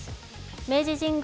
明治神宮